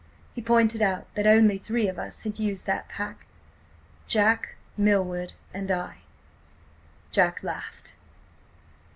.. He pointed out that only three of us had used that pack: Jack, Milward and I. "Jack laughed.